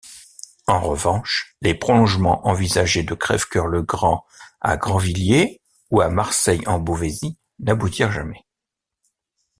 En revanche, les prolongements envisagés de Crèvecœur-le-Grand à Grandvilliers ou à Marseille-en-Beauvaisis n'aboutirent jamais.